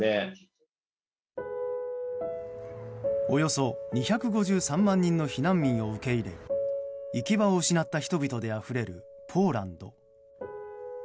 およそ２５３万人の避難民を受け入れ行き場を失った人々であふれるポーランド。